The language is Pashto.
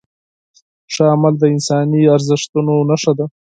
ښه عمل د انساني ارزښتونو نښه ده.